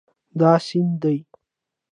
دا سیند دی